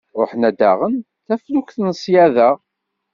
Ruḥen ad d-aɣen taflukt n ssyaḍa.